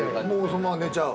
そのまま寝ちゃう。